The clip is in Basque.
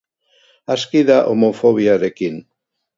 Aski da homofobiarekin.